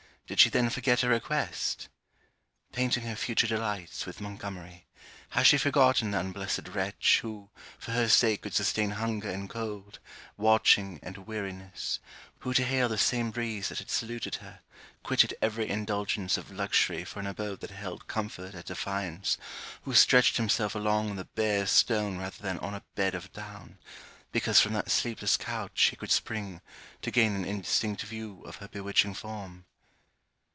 Did she then forget her request? Painting her future delights with Montgomery, has she forgotten the unblessed wretch, who for her sake could sustain hunger and cold, watching and weariness, who to hail the same breeze that had saluted her, quitted every indulgence of luxury for an abode that held comfort at defiance, who stretched himself along the bare stone rather than on a bed of down, because from that sleepless couch he could spring, to gain an indistinct view of her bewitching form?